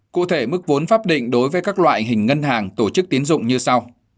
cụ thể mức vốn pháp định đối với các loại hình ngân hàng tổ chức tiến dụng như sau